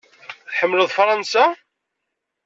Tḥemmleḍ Fṛansa?